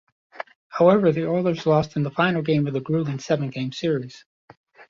However, the Oilers lost in the Final game of a gruelling seven-game series.